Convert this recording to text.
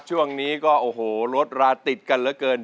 ช่วงนี้ก็โอ้โหรถราติดกันเหลือเกิน